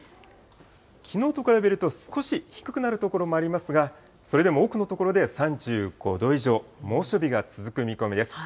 きのうと比べると少し低くなる所もありますが、それでも多くの所で３５度以上、猛暑日が続く見込みです。